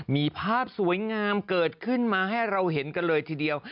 มีภาพสวยงามเกิดขึ้นมาให้เราเห็นกันเลยทีเดียว